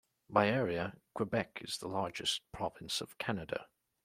By area, Quebec is the largest province of Canada.